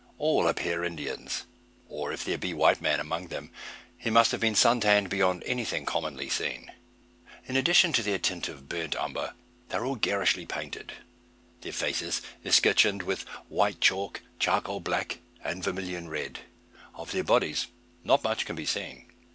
All appear Indians, or if there be white man among them, he must have been sun tanned beyond anything commonly seen. In addition to their tint of burnt umber, they are all garishly painted; their faces escutcheoned with chalk white, charcoal black, and vermillion red. Of their bodies not much can be seen.